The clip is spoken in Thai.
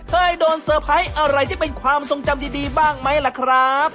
เคยโดนเตอร์ไพรส์อะไรที่เป็นความทรงจำดีบ้างไหมล่ะครับ